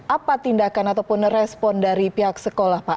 apa tindakan ataupun respon dari pihak sekolah pak